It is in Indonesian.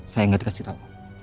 saya gak dikasih tau